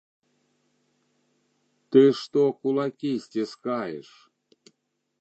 Ты што кулакі сціскаеш?